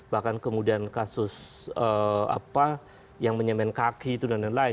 bahkan kemudian kasus yang menyemen kaki itu dan lain lain